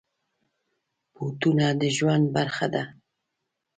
بوټونه د ژوند برخه ده.